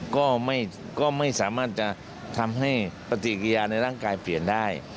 ก็ไม่สามารถจะทำให้ปฏิกิริยาในร่างกายเปลี่ยนได้